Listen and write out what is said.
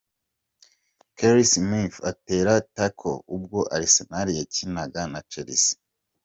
Kelly Smith atera 'tackle' ubwo Arsenal yakinaga na Chelsea.